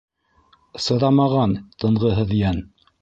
Сыҙамаған тынғыһыҙ йән.